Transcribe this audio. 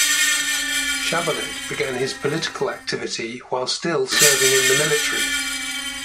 Chavalit began his political activity while still serving in the military.